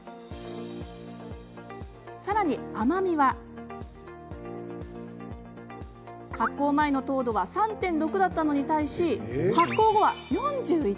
さらに、甘みは発酵前の糖度は３．６だったのに対し発酵後は４１。